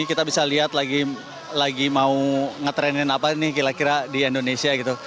kita bisa lihat lagi mau ngetrendin apa nih kira kira di indonesia gitu